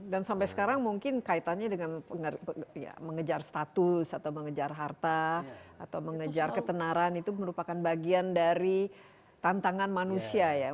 dan sampai sekarang mungkin kaitannya dengan mengejar status atau mengejar harta atau mengejar ketenaran itu merupakan bagian dari tantangan manusia ya